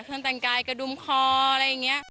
คนแต่งกายกระดุมคออะไรอย่างนี้